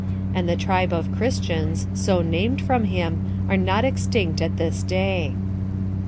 And the tribe of Christians, so named from him, are not extinct at this day.